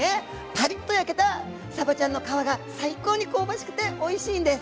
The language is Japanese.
パリッと焼けたらさばちゃんの皮が最高に香ばしくておいしいんです！